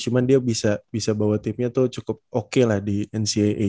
cuman dia bisa bawa team nya tuh cukup oke lah di ncaa